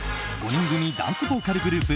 ５人組ダンスボーカルグループＭ！